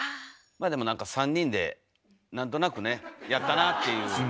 まあでもなんか３人で何となくねやったなっていう感じが。